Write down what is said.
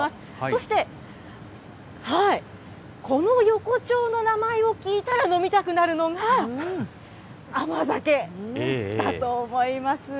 そして、この横丁の名前を聞いたら飲みたくなるのが、甘酒だと思います。